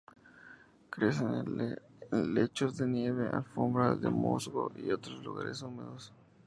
Crece en lechos de nieve, alfombras de musgo y otros lugares húmedos.